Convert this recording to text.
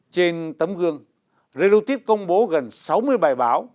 trên tấm gương relotip công bố gần sáu mươi bài báo